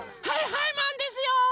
はいはいマンですよ！